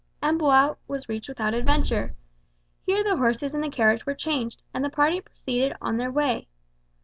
Amboise was reached without adventure. Here the horses in the carriage were changed, and the party proceeded on their way.